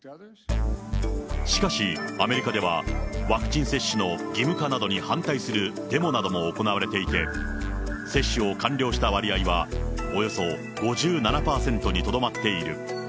しかしアメリカでは、ワクチン接種の義務化などに反対するデモなども行われていて、接種を完了した割合はおよそ５７％にとどまっている。